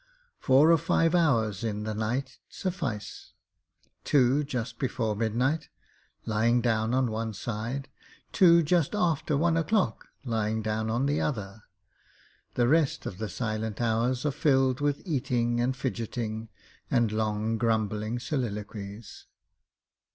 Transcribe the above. Four or five hours in the night suffice two just before midnight, lying down on one side; two just after one o'clock, lying down on the other. The rest of the silent hours are filled with eating and fidgeting and long grumbling soliloquies.